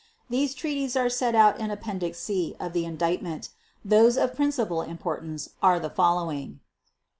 These treaties are set out in Appendix C of the Indictment. Those of principal importance are the following.